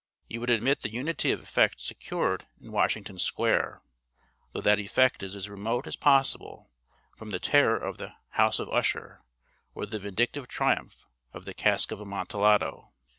You would admit the unity of effect secured in 'Washington Square,' though that effect is as remote as possible from the terror of 'The House of Usher' or the vindictive triumph of 'The Cask of Amontillado.'